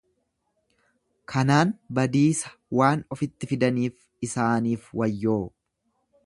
Kanaan badiisa waan ofitti fidaniif isaaniif wayyoo!